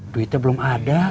duitnya belum ada